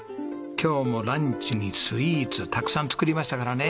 今日もランチにスイーツたくさん作りましたからね